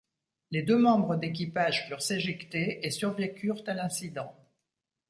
Les deux membres d'équipage purent s'éjecter et survécurent à l'incident.